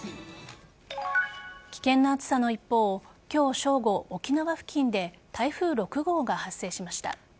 危険な暑さの一方今日正午、沖縄付近で台風６号が発生しました。